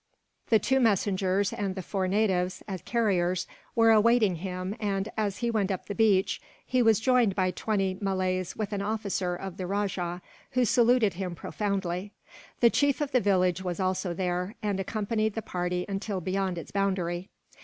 The two messengers and the four natives, as carriers, were awaiting him and, as he went up the beach, he was joined by twenty Malays with an officer of the rajah, who saluted him profoundly. The chief of the village was also there, and accompanied the party until beyond its boundary.